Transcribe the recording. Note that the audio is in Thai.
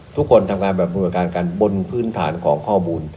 ทุกคนทำงานแบบบริการกันบนพื้นฐานของข้อมูล